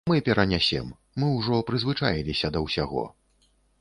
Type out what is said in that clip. Мы перанясем, мы ўжо прызвычаіліся да ўсяго.